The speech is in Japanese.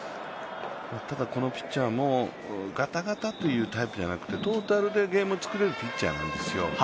このピッチャーもガタガタというタイプじゃなくてトータルでゲームを作れるピッチャーなんですよ。